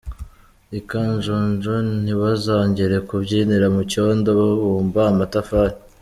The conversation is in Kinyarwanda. I Kanjonjo ntibazongera kubyinira mu cyondo babumba amatafari